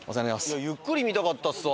ゆっくり見たかったですわ。